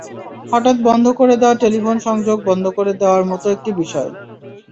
হঠাৎ বন্ধ করে দেওয়া টেলিফোন সংযোগ বন্ধ করে দেওয়ার মতো একটি বিষয়।